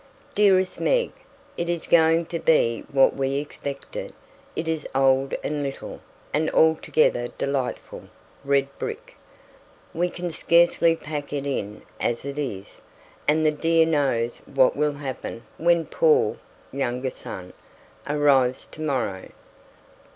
Dearest Meg, It isn't going to be what we expected. It is old and little, and altogether delightful red brick. We can scarcely pack in as it is, and the dear knows what will happen when Paul (younger son) arrives tomorrow.